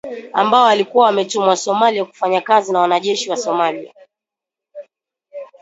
ambao walikuwa wametumwa Somalia kufanya kazi na wanajeshi wa Somalia